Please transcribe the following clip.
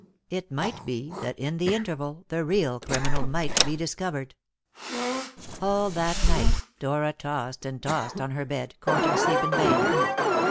It might be that in the interval the real criminal might be discovered. All that night Dora tossed and tossed on her bed, courting sleep in vain.